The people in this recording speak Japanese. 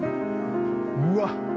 うわっ！